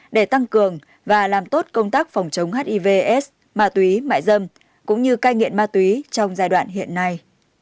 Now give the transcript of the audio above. để tăng cường và làm tốt công tác phòng chống hivs ma túy mại dâm cũng như cai nghiện ma túy trong giai đoạn hiện nay